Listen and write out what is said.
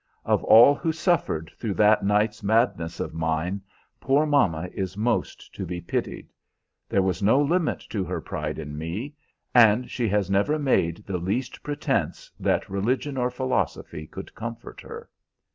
Of all who suffered through that night's madness of mine, poor mama is most to be pitied. There was no limit to her pride in me, and she has never made the least pretense that religion or philosophy could comfort her.